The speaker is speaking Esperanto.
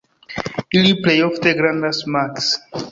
Ili plej ofte grandas maks.